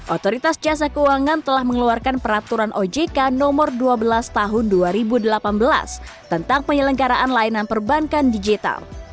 otoritas jasa keuangan telah mengeluarkan peraturan ojk nomor dua belas tahun dua ribu delapan belas tentang penyelenggaraan layanan perbankan digital